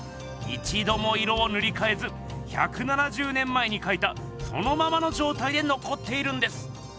いちども色をぬりかえず１７０年前にかいたそのままの状態でのこっているんです。